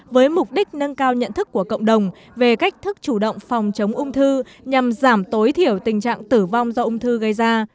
với mục đích nâng cao nhận thức của cộng đồng về cách thức chủ động phòng chống ung thư nhằm giảm tối thiểu tình trạng tử vong do ung thư gây ra